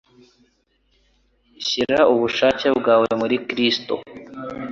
Shyira ubushake bwawe muri Kristo